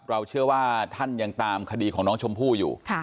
เราเชื่อว่าท่านยังตามคดีของน้องชมพู่อยู่